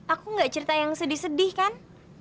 aku gak cerita yang sedih sedih kan